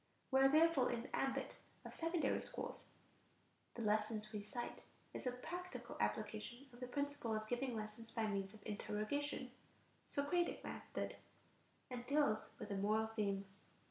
We are therefore in the ambit of secondary schools. The lesson we cite is a practical application of the principle of giving lessons by means of interrogation (Socratic method), and deals with a moral theme: rights.